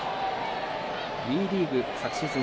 ＷＥリーグ、昨シーズン